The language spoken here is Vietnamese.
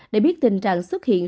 để biết tình trạng xuất hiện